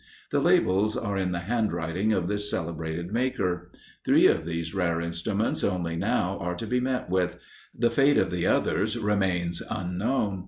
The labels are in the hand writing of this celebrated maker. Three of these rare instruments only are now to be met with; the fate of the others remains unknown.